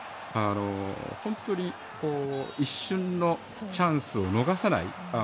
本当に、一瞬のチャンスを逃さない。